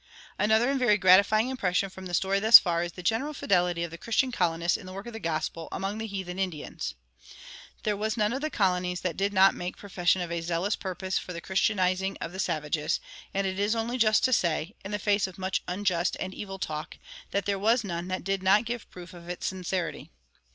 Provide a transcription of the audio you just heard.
Another and very gratifying impression from the story thus far is the general fidelity of the Christian colonists in the work of the gospel among the heathen Indians. There was none of the colonies that did not make profession of a zealous purpose for the Christianizing of the savages; and it is only just to say, in the face of much unjust and evil talk, that there was none that did not give proof of its sincerity.